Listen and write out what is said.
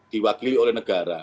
diwakili oleh negara